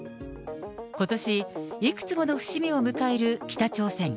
ことし、いくつもの節目を迎える北朝鮮。